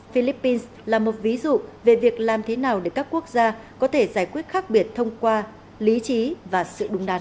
philippines là một ví dụ về việc làm thế nào để các quốc gia có thể giải quyết khác biệt thông qua lý trí và sự đúng đắn